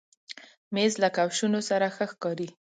مېز له کوشنو سره ښه ښکاري.